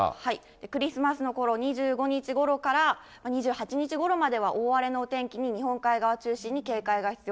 クリスマスのころ、２５日ごろから２８日ごろまでは大荒れのお天気に、日本海側中心に警戒が必要。